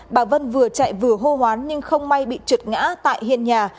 bà vân vừa chạy vừa hô hoán nhưng không may bị trượt ngã tại hiên nhà